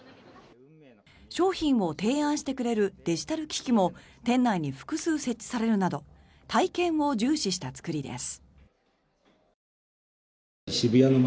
商品を提案してくれるデジタル機器も店内に複数設置されるなど体験を重視した作りです。